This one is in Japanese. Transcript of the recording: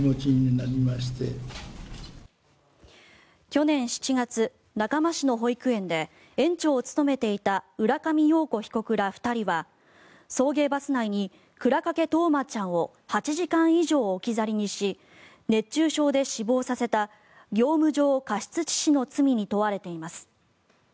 去年７月中間市の保育園で園長を務めていた浦上陽子被告ら２人は送迎バス内に倉掛冬生ちゃんを８時間以上置き去りにし熱中症で死亡させた業務上過失致死の罪に問われています。